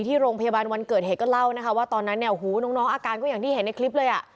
ที่โรงพยาบาลวันเกิดเหตุก็เล่านะคะว่าตอนนั้นเนี่ยหูน้องอาการก็อย่างที่เห็นในคลิปเลยอ่ะ